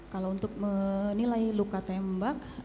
kalau untuk menilai luka tembak